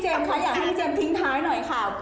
ค่ะอยากให้พี่เจมสทิ้งท้ายหน่อยค่ะ